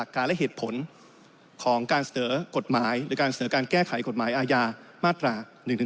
และเหตุผลของการเสนอกฎหมายหรือการเสนอการแก้ไขกฎหมายอาญามาตรา๑๑๒